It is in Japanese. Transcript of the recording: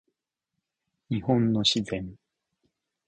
日本の自然